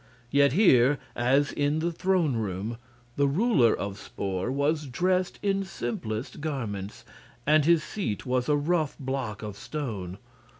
Yet here, as in the throne room, the ruler of Spor was dressed in simplest garments, and his seat was a rough block of stone.